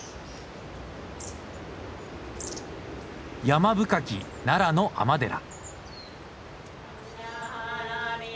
山深き奈良の尼寺。